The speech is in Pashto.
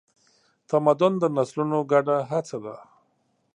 تمدن د نسلونو ګډه هڅه ده.